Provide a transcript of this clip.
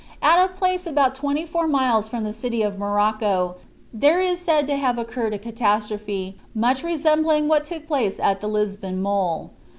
At a place about twenty four miles from the city of Morocco, there is said to have occurred a catastrophe much resembling what took place at the Lisbon mole.